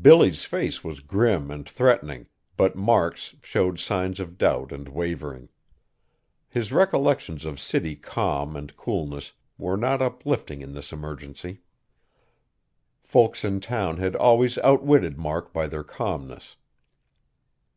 Billy's face was grim and threatening, but Mark's showed signs of doubt and wavering. His recollections of city calm and coolness were not uplifting in this emergency. Folks in town had always outwitted Mark by their calmness.